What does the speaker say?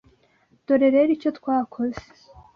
Dore rero icyo twakoze